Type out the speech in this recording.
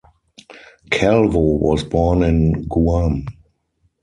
Calvo was born in Guam.